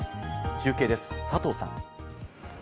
中継です、佐藤さん。